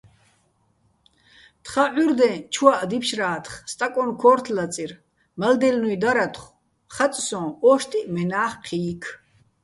თხა ჸურდეჼ, ჩუაჸ დიფშრა́თხ, სტაკონ ქო́რთო̆ ლაწირ, მალდელნუ́ჲ დარათხო̆, ხაწ სო́ჼ: ოშტიჸ მენა́ხ ჴი́ქ.